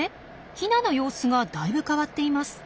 ヒナの様子がだいぶ変わっています。